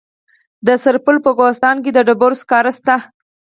د سرپل په کوهستان کې د ډبرو سکاره شته.